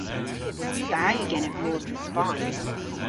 Da yw genes mos dhe Spayn.